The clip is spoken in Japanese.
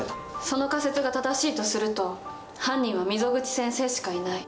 その仮説が正しいとすると犯人は溝口先生しかいない。